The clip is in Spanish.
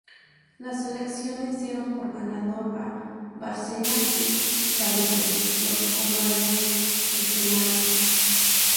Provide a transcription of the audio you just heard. Las elecciones dieron por ganador a Bárcena y Carrillo, lo que convalidó el Senado.